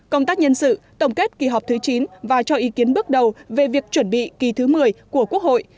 công tác nhân sự tổng kết kỳ họp thứ chín và cho ý kiến bước đầu về việc chuẩn bị kỳ thứ một mươi của quốc hội